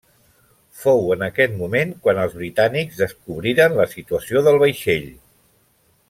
Fou en aquest moment quan els britànics descobriren la situació del vaixell.